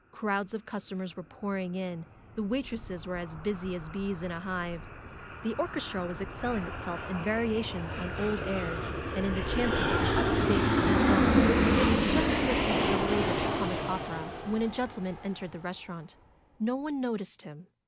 Crowds of customers were pouring in. The waitresses were as busy as bees in a hive. The orches tra was excelling itself in variations on old airs, and in the chances of an up to date Deux temps. It had just dipped into the latest comic opera when a gentle man entered the restaurant. No one noticed him.